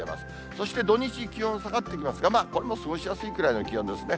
そして土日、気温下がってきますが、まあ、これも過ごしやすいくらいの気温ですね。